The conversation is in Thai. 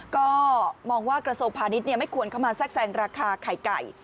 ก็มองว่ากระทรวงพาณิชย์ไม่ควรเข้ามาแทรกแซงราคาไข่ไก่